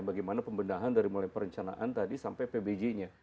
bagaimana pembendahan dari mulai perencanaan tadi sampai pbj nya